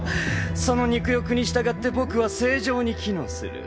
その肉欲に従って僕は正常に機能する。